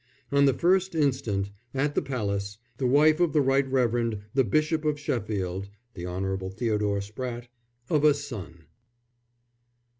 On the 1st instant, at the Palace, the wife of the Right Revd. the Bishop of Sheffield, (the Honourable Theodore Spratte,) of a son.